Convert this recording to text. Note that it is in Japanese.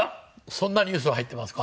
そんなニュースが入ってますか？